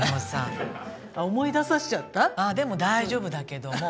ああでも大丈夫だけども。